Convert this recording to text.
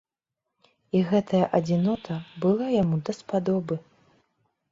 І гэтая адзінота была яму даспадобы.